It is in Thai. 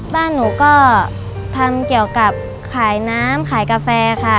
บ้านหนูก็ทำเกี่ยวกับขายน้ำขายกาแฟค่ะ